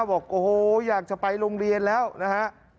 บอกโอ้โหอยากจะไปโรงเรียนแล้วนะฮะ